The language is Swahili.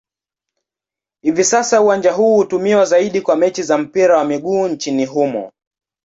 Hivi sasa uwanja huu hutumiwa zaidi kwa mechi za mpira wa miguu nchini humo.